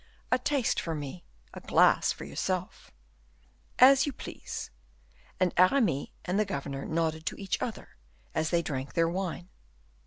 A taste for me; a glass for yourself." "As you please." And Aramis and the governor nodded to each other, as they drank their wine.